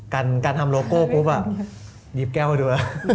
การทำโลโก้ปุ๊บหยิบแก้วดู